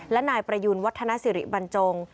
และนายประยูนวัฒนสิริบรรจง